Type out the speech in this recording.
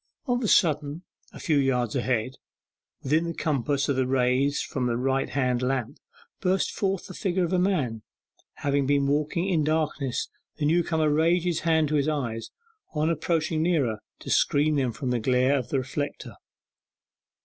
Of a sudden, a few yards ahead, within the compass of the rays from the right hand lamp, burst forward the figure of a man. Having been walking in darkness the newcomer raised his hands to his eyes, on approaching nearer, to screen them from the glare of the reflector.